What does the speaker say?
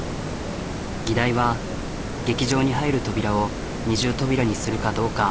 議題は劇場に入る扉を二重扉にするかどうか。